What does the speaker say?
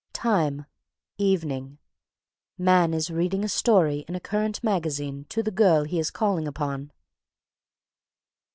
_Time, evening. MAN is reading a story in a current magazine to the GIRL he is calling upon.